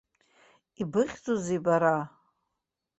Ибыхьӡузеи бара?